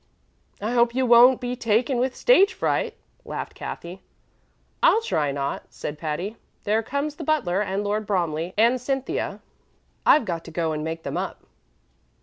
"I hope you won't be taken with stage fright," laughed Cathy. "I'll try not," said Patty. "There comes the butler and Lord Bromley and Cynthia. I've got to go and make them up."